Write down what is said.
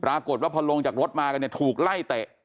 ปรากฏว่าพอลงจากรถมากันเนี่ยถูกไล่เตะ